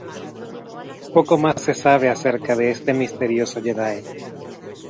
Poco más se sabe a cerca de este misterioso Jedi.